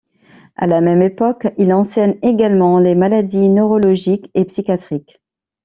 À la même époque, il enseigne également les maladies neurologiques et psychiatriques.